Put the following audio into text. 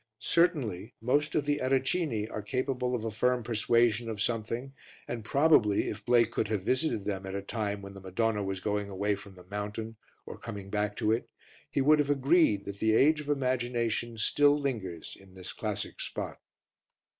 Certainly most of the Ericini are capable of a firm persuasion of something and probably, if Blake could have visited them at a time when the Madonna was going away from the mountain or coming back to it, he would have agreed that the age of imagination still lingers in this classic spot.